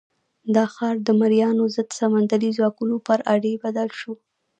دا ښار د مریانو ضد سمندري ځواکونو پر اډې بدل شو.